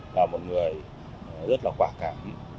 là một người rất là quả cảm